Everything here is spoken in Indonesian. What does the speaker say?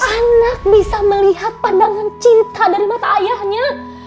anak bisa melihat pandangan cinta dari mata ayahnya